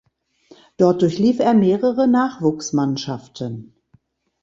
Dort durchlief er mehrere Nachwuchsmannschaften.